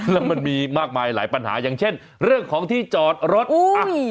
แล้วมันมีมากมายหลายปัญหาอย่างเช่นเรื่องของที่จอดรถอ่ะ